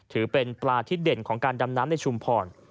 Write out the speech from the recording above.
ถือเป็นปลาที่เด่นของการดำน้ำในชุมพร